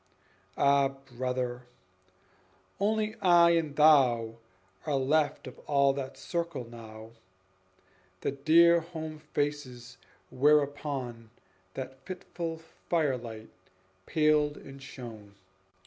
Ah, brother! only I and thou Are left of all that circle now, The dear home faces whereupon That fitful firelight paled and shone.